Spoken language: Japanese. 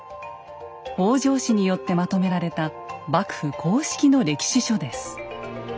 北条氏によってまとめられた幕府公式の歴史書です。